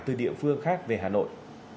từ địa phương khác về hà nội